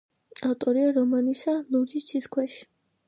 ავტორია რომანისა „ლურჯი ცის ქვეშ“.